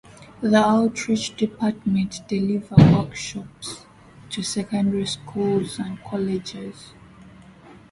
The Outreach Department deliver workshops to secondary schools and colleges.